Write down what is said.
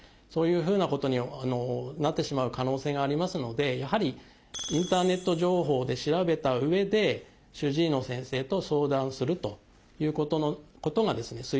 そういうふうなことになってしまう可能性がありますのでやはりインターネット情報で調べたうえで主治医の先生と相談するということがですね